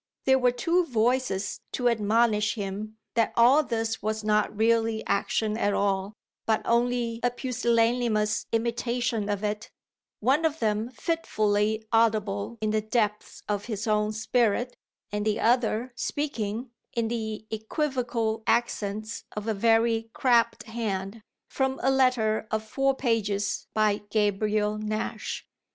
There were two voices to admonish him that all this was not really action at all, but only a pusillanimous imitation of it: one of them fitfully audible in the depths of his own spirit and the other speaking, in the equivocal accents of a very crabbed hand, from a letter of four pages by Gabriel Nash.